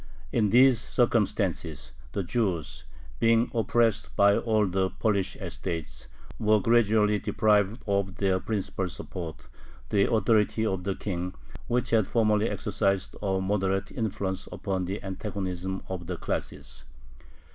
In these circumstances the Jews, being oppressed by all the Polish estates, were gradually deprived of their principal support, the authority of the king, which had formerly exercised a moderating influence upon the antagonism of the classes.